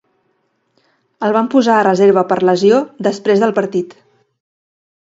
El van posar a reserva per lesió després del partit.